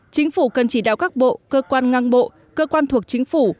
chính phủ cần chỉ đạo các bộ cơ quan ngang bộ cơ quan thuộc chính phủ